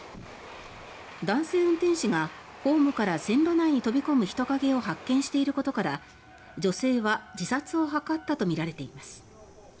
男性運転士がホームから線路内に飛び込む人影を発見していることから女性は自殺を図ったとみられています。